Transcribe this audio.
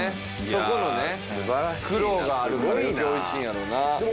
そこのね苦労があるからおいしいんやろな。